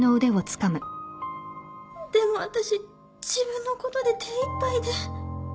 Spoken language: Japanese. でも私自分のことで手いっぱいで。